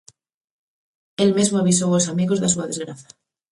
El mesmo avisou os amigos da súa desgraza.